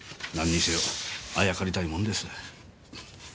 何にせよあやかりたいもんです。